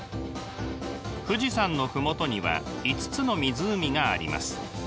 富士山の麓には５つの湖があります。